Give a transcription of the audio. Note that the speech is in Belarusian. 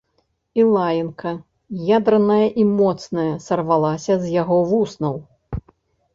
І лаянка, ядраная і моцная, сарвалася з яго вуснаў.